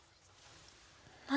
何？